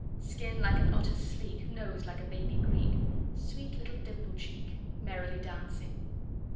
Skin like an otter sleek, Nose like a baby Greek, Sweet little dimple cheek, Merrily dancing!